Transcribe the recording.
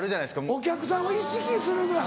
お客さんを意識するのか。